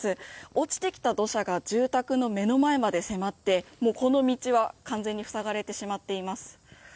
落ちてきた土砂が住宅の目の前まで迫ってもうこの道は完全に塞がれてしまっています。